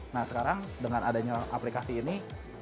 nah sekarang dengan adanya aplikasi ini